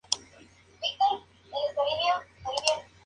Scarf nunca recibió formación en economía.